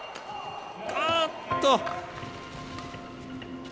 あっと！